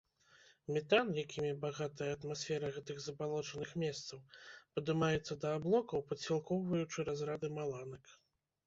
Метан, якімі багатая атмасфера гэтых забалочаных месцаў, падымаецца да аблокаў, падсілкоўваючы разрады маланак.